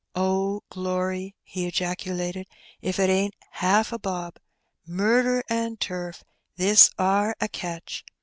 ^'Oh, glory !" he ejaculated; "if't ain't haaf a bob. Murder and turf! this are a catch